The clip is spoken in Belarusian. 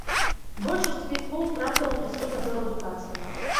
Большасць квіткоў трапіла ў мясцовы аддзел адукацыі.